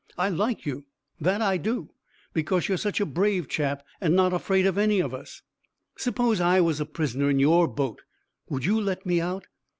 "I like you, that I do, because you're such a brave chap, and not afraid of any of us. S'pose I was a prisoner in your boat, would you let me out?"